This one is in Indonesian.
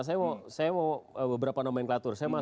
saya mau beberapa nomenklatur